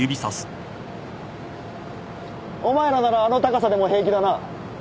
お前らならあの高さでも平気だな。